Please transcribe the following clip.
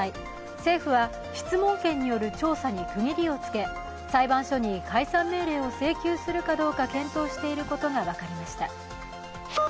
政府は質問権による調査に区切りをつけ、裁判所に解散命令を請求するかどうか検討していることが分かりました。